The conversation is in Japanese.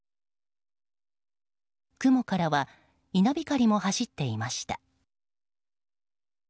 雲からは稲光も走っていました。